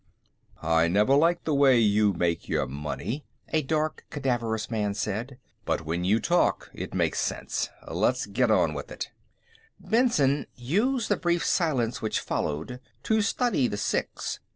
"I never liked the way you made your money," a dark faced, cadaverous man said, "but when you talk, it makes sense. Let's get on with it." Benson used the brief silence which followed to study the six.